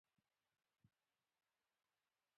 د دورکهايم مطالعات د اجتماعي پدیدو لپاره مهم دي.